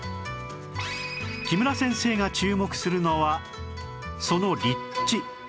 木村先生が注目するのはその立地